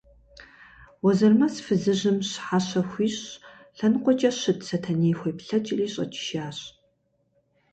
Уэзырмэс фызыжьым щхьэщэ хуищӀщ, лъэныкъуэкӀэ щыт Сэтэней хуеплъэкӀри, щӀэкӀыжащ.